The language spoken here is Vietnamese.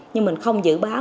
nhưng mình không dự báo